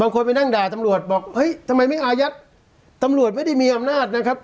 ไปนั่งด่าตำรวจบอกเฮ้ยทำไมไม่อายัดตำรวจไม่ได้มีอำนาจนะครับ